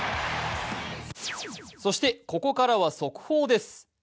そして、ここからは速報です。